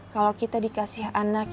kalau kita dikasih anak